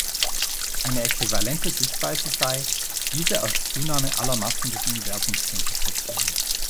Eine äquivalente Sichtweise sei, diese als Zunahme aller Massen des Universums zu interpretieren.